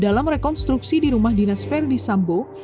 dalam rekonstruksi di rumah dinas verdi sambo